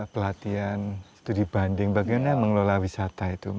pelatihan studi banding bagaimana mengelola wisata itu